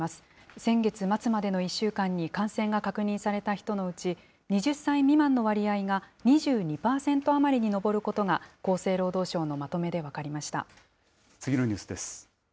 先月末までの１週間に感染が確認された人のうち、２０歳未満の割合が２２％余りに上ることが、厚生労働省のまとめ次のニュースです。